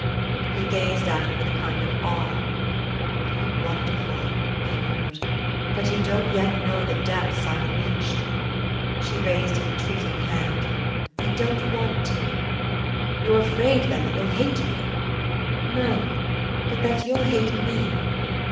He gazed at her with a kind of awe. "You're wonderful," he murmured. "But you don't yet know the depths I've reached." She raised an entreating hand. "I don't want to!" "You're afraid, then, that you'll hate me?" "No but that you'll hate ME.